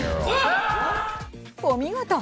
お見事。